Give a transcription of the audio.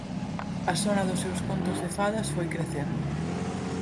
A sona dos seus contos de fadas foi crecendo.